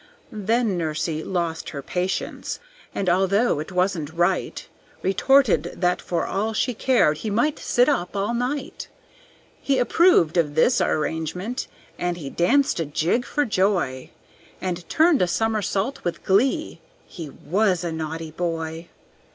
Then Nursey lost her patience, and although it wasn't right, Retorted that for all she cared he might sit up all night. He approved of this arrangement, and he danced a jig for joy, And turned a somersault with glee; he was a naughty boy.